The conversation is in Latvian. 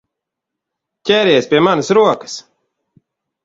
Ķeries pie manas rokas!